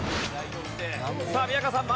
さあ宮川さん